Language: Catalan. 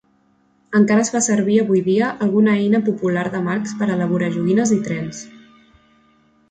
Encara es fa servir avui dia alguna eina popular de Marx per elaborar joguines i trens.